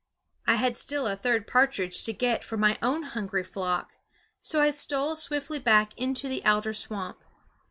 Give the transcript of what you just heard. I had still a third partridge to get for my own hungry flock; so I stole swiftly back into the alder swamp.